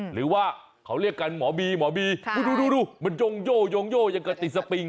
หรือว่าเขาเรียกกันหมอบีหมอบีดูมันโยงโย่งยงโย่อย่างกับติสปิง